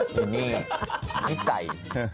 พิสัย